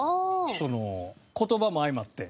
言葉も相まって。